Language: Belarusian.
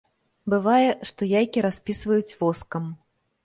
Бывае, што яйкі распісваюць воскам.